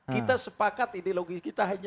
kita sepakat ideologi kita hanya